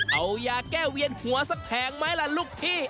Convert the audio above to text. เอายาแก้เวียนหัวสักแผงไหมล่ะลูกพี่